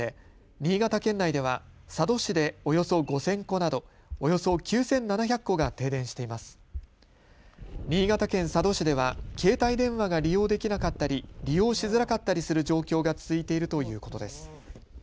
新潟県佐渡市では携帯電話が利用できなかったり利用しづらかったりする状況が続いているということです。